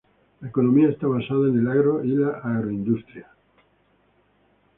La economía está basada en el agro y la agroindustria.